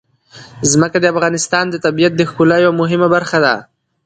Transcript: ځمکه د افغانستان د طبیعت د ښکلا یوه مهمه برخه ده.